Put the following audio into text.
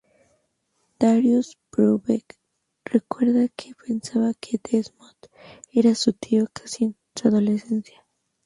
Darius Brubeck recuerda que pensaba que Desmond era su tío casi en la adolescencia.